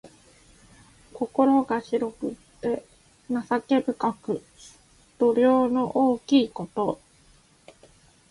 心が広くて情け深く、度量の大きいこと。